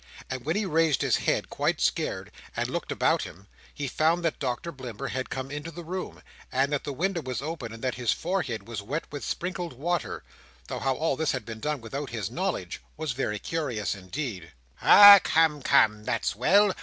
And when he raised his head, quite scared, and looked about him, he found that Doctor Blimber had come into the room; and that the window was open, and that his forehead was wet with sprinkled water; though how all this had been done without his knowledge, was very curious indeed. "Ah! Come, come! That's well!